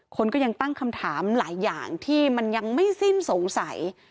คนก็ยังตั้งคำถามหลายอย่างที่มันยังไม่สิ้นสงสัย